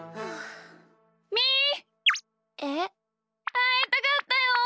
あいたかったよ！